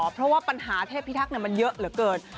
เพราะว่าปัญหาเทพิทักษ์มันเยอะเหลือเกิน